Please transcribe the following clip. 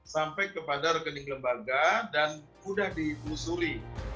sampai kepada rekening lembaga dan sudah diusuri